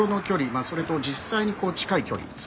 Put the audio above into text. まあそれと実際に近い距離。